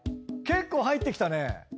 結構入ってきたね。